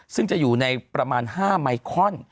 ซึ่งจะอยู่ในประมาณ๕ไมคอน